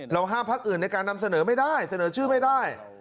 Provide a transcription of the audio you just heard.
ห้ามพักอื่นในการนำเสนอไม่ได้เสนอชื่อไม่ได้